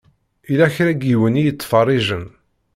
Yella kra n yiwen i yettfeṛṛiǧen.